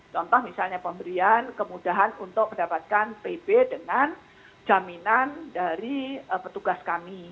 contoh misalnya pemberian kemudahan untuk mendapatkan pb dengan jaminan dari petugas kami